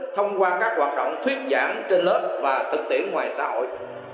thông qua các hoạt động thuyết giảng trên lớp và thực tiễn ngoài xã hội